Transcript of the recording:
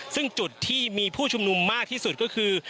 ซึ่งจุดที่มีผู้ชุมนุมมากที่สุดก็คือ